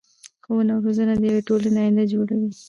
ښوونه او روزنه د يو ټولنی اينده جوړوي .